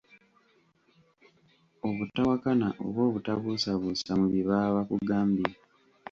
Obutawakana oba obutabuusabuusa mu bye baba bakugambye.